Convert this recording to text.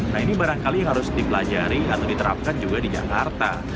nah ini barangkali yang harus dipelajari atau diterapkan juga di jakarta